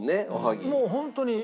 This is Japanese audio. もうホントに。